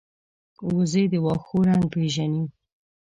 وزې د واښو رنګ پېژني